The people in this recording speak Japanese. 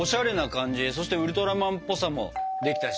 そしてウルトラマンっぽさもできたし。